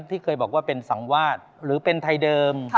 ที่เคยบอกว่าเป็นสังวาสหรือเป็นไทยเดิม